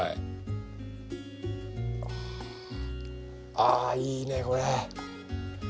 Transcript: ああいいねこれ。